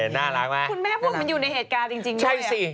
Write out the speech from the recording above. น่ารักไหม